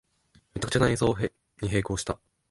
めちゃくちゃな演奏に閉口した